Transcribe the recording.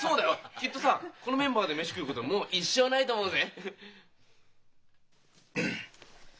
きっとさこのメンバーで飯食うこともう一生ないと思うぜ。